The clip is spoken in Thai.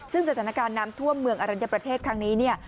ซึ่งจัดการณ์น้ำท่วมเมืองอรัญญะประเทศครั้งนี้